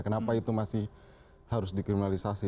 kenapa itu masih harus dikriminalisasi